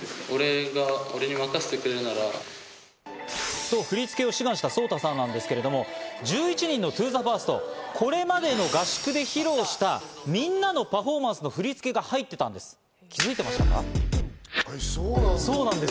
と振り付けを志願したソウタさんなんですけど、１１人の『ＴｏＴｈｅＦｉｒｓｔ』、これまでの合宿で披露したみんなのパフォーマンスの振り付けが入ってたんです。